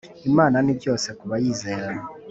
Imana ni byose kuba yizera